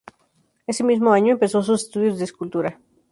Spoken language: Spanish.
Ese mismo año empezó sus estudios de escultura.